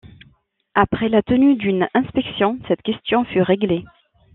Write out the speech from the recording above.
Après la tenue d'une inspection, cette question fut réglée.